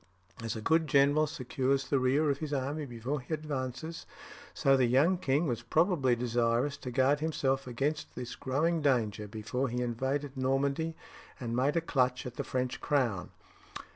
As a good general secures the rear of his army before he advances, so the young king was probably desirous to guard himself against this growing danger before he invaded Normandy and made a clutch at the French crown.